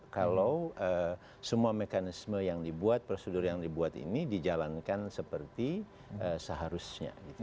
kalau semua mekanisme yang dibuat prosedur yang dibuat ini dijalankan seperti seharusnya